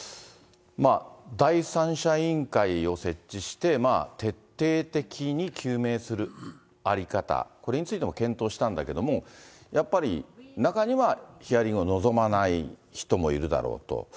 まあ、第三者委員会を設置して、徹底的に究明する在り方、これについても検討したんだけれども、やっぱり中にはヒアリングを望まない人もいるだろうと。